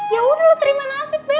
ya udah lo terima nasib bel